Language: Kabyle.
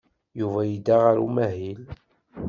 Yuba yedda ɣer umahil.